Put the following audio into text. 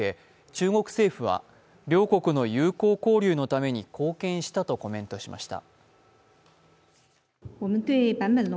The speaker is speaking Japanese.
中国政府は両国の友好交流のために貢献したとコメントしました。